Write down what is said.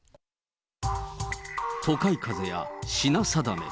都会風や品定め。